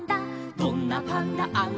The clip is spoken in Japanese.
「どんなパンダあんな